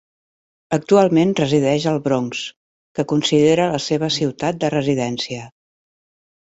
Actualment resideix al Bronx que considera la seva ciutat de residència.